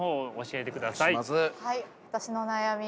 はい私の悩み